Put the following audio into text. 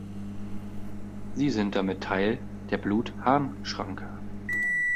Sie sind damit Teil der Blut-Harn-Schranke.